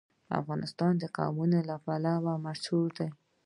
افغانستان د قومونه لپاره مشهور دی.